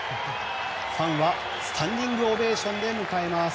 ファンはスタンディングオベーションで迎えました。